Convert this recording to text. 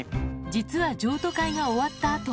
実は譲渡会が終わったあと。